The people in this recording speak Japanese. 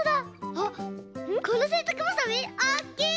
あっこのせんたくばさみおっきい！